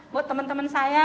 buat teman teman saya